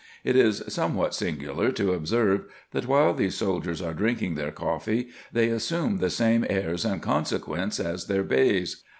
It is somewhat singular to observe, that while these soldiers are drinking their coffee, they assume the same airs and consequence as their Beys.